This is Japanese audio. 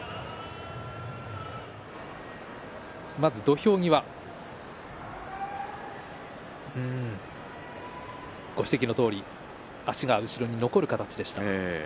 まず土俵際、ご指摘のとおり足が後ろに残る形になりました。